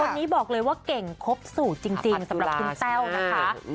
คนนี้บอกเลยว่าเก่งครบสูตรจริงสำหรับคุณแต้วนะคะ